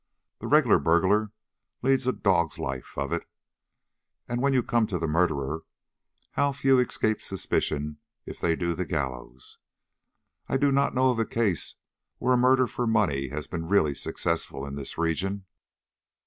The regular burglar leads a dog's life of it; and when you come to the murderer, how few escape suspicion if they do the gallows. I do not know of a case where a murder for money has been really successful in this region."